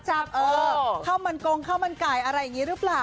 เออเค้ามันกงเค้ามันไก่อะไรอย่างนี้หรือเปล่า